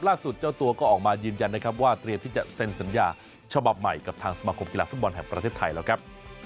เจ้าตัวก็ออกมายืนยันนะครับว่าเตรียมที่จะเซ็นสัญญาฉบับใหม่กับทางสมาคมกีฬาฟุตบอลแห่งประเทศไทยแล้วครับ